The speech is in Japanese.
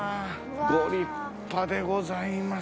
ご立派でございます。